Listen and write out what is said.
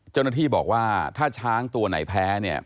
เจ้าหน้าที่บอกว่าถ้าช้างตัวไหนแพ้เนี่ย